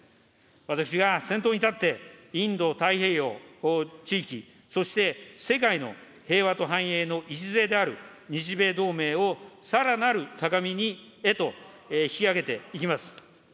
私が先頭に立って、インド太平洋地域、そして、世界の平和と繁栄の礎である日米同盟を、さらなる高みにへと引き上げていきます。